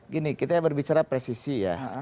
gini kita berbicara presisi ya